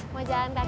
mau jalan back ya